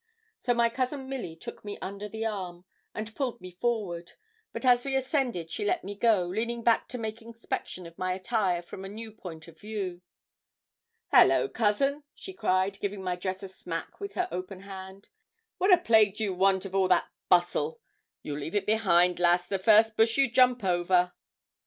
So my Cousin Milly took me under the arm, and pulled me forward; but as we ascended, she let me go, leaning back to make inspection of my attire from a new point of view. 'Hallo, cousin,' she cried, giving my dress a smack with her open hand. 'What a plague do you want of all that bustle; you'll leave it behind, lass, the first bush you jump over.'